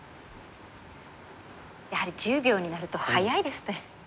やはり１０秒になると早いですね。